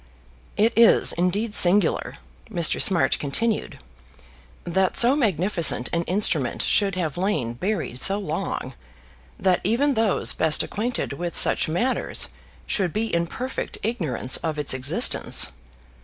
"It is indeed singular," Mr. Smart continued, "that so magnificent an instrument should have lain buried so long; that even those best acquainted with such matters should be in perfect ignorance of its existence.